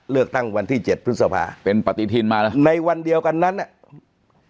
เลือกตั้งวันที่เจ็ดพฤษภาเป็นปฏิทินมานะในวันเดียวกันนั้นน่ะ